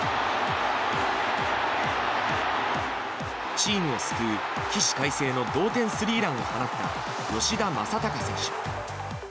チームを救う起死回生の同点スリーランを放った吉田正尚選手。